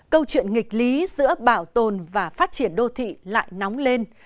câu chuyện nghịch lý giữa bảo tồn và phát triển đô thị lại nóng lên